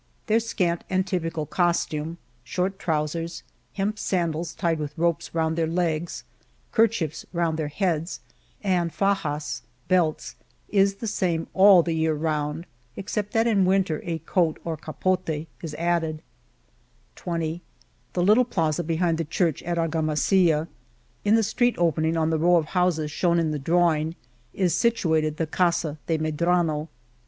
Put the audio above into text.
Their scant and typical costume, short trousers, hemp sandals, tied with ropes round their legs, kerchiefs round ' their heads, and ^^fajas^* {belts), is the same all the year round, except that in winter a coat, or ^^ capdter is added, ig The little plaza behind the church at Argamasilla, In the street opening on the row of houses shown in the drawing is situated the Casa de Medrano